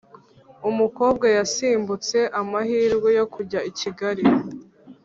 umukobwa yasimbutse amahirwe yo kujya i kigali